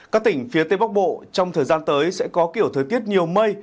các tỉnh phía tây bắc bộ trong thời gian tới sẽ có kiểu thời tiết nhiều mây